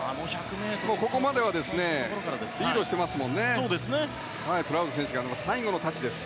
途中まではリードしてましたけどプラウド選手が最後のタッチです。